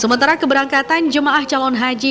sementara keberangkatan jemaah calon haji